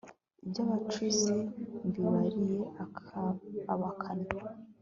iby'abacuzi mbihariye abakannyi